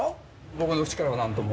僕の口からは何とも。